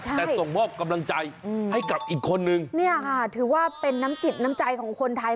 แต่ส่งมอบกำลังใจให้กับอีกคนนึงเนี่ยค่ะถือว่าเป็นน้ำจิตน้ำใจของคนไทย